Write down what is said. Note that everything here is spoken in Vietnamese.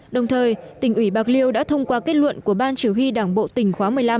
đồng thời tỉnh ủy bạc liêu đã thông qua kết luận của ban chỉ huy đảng bộ tỉnh khóa một mươi năm